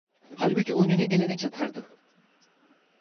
Halbuki o önüne gelene çatardı.